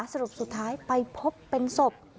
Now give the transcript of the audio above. สรุปสุดท้ายไปพบเป็นศพ